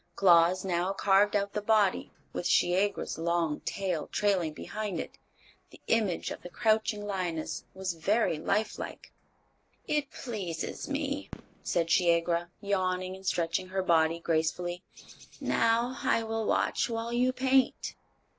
Claus now carved out the body, with Shiegra's long tail trailing behind it. The image of the crouching lioness was very life like. "It pleases me," said Shiegra, yawning and stretching her body gracefully. "Now I will watch while you paint."